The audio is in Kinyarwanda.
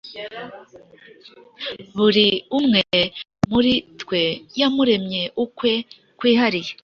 buri umwe muri twe yamuremye ukwe kwihariye.